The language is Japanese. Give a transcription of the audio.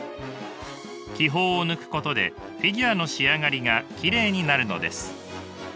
気泡を抜くことでフィギュアの仕上がりがきれいになるのです。